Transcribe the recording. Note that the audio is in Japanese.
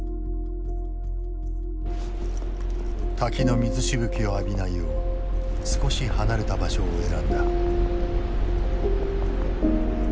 滝の水しぶきを浴びないよう少し離れた場所を選んだ。